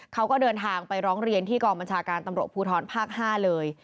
เขาก็เดินทางไปร้องเรียนที่กองบัญชาการตำรวจภูทรภาค๕เลย